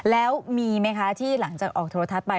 แล้วมีไหมคะที่หลังจากออกโทรทัศน์ไป